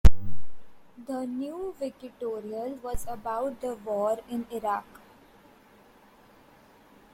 The new Wikitorial was about the War in Iraq.